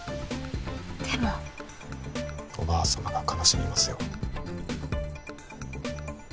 でもおばあ様が悲しみますよ